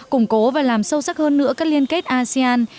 củng cố và làm sâu sắc hơn nữa các liên kết asean